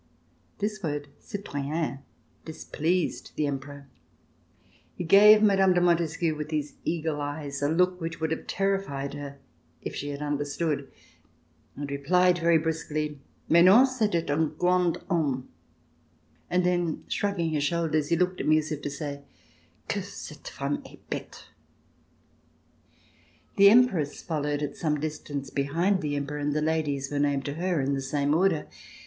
This word "citoyen" displeased the Emperor. He gave Mme. de Montesquieu, with his eagle eyes, a look which would have terrified her if she had under stood, and replied very brusquely: "Mais non, c'etait un grand homme," and then [331 ] RECOLLECTIONS OF THE REVOLUTION shrugging his shoulders he looked at me, as if to say: *'Que cette femme est bete!" The Empress followed at some distance behind the Emperor and the ladies were named to her in the same order.